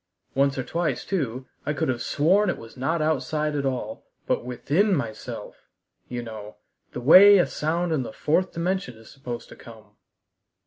Once or twice, too, I could have sworn it was not outside at all, but within myself you know the way a sound in the fourth dimension is supposed to come."